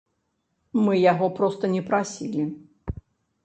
Мы яго проста не прасілі.